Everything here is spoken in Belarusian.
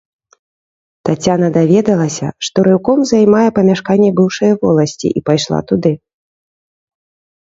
Таццяна даведалася, што рэўком займае памяшканне быўшае воласці, і пайшла туды.